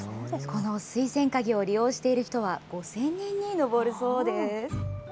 この水栓鍵を利用している人は、５０００人に上るそうです。